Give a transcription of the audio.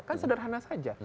kan sederhana saja